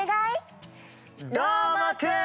どーもくん！